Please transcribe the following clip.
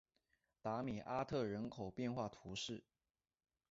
达米阿特人口变化图示